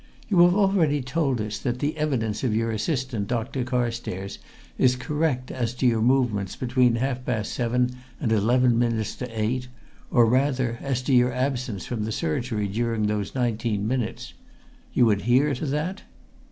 You have already told us that the evidence of your assistant, Dr. Carstairs, is correct as to your movements between half past seven and eleven minutes to eight, or, rather, as to your absence from the surgery during those nineteen minutes. You adhere to that?"